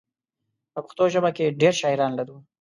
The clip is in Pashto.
په پښتو ژبه کې ډېر شاعران لرو.